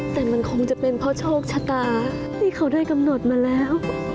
แต่มันคงจะเป็นเพราะโชคชะตาที่เขาได้กำหนดมาแล้ว